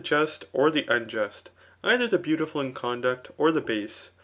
just or the unjust, either the beautifol iix conduct^ xit. thebase.